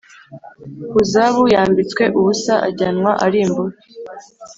Huzabu yambitswe ubusa ajyanwa ari imbohe